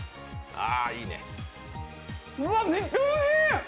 うわ、めっちゃおいしい！